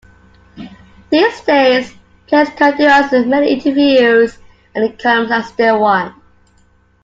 These days, players can do as many interviews and columns as they want.